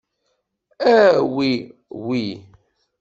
Awi wi.